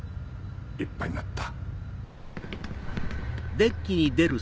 立派になった。